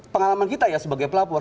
pengalaman kita ya sebagai pelapor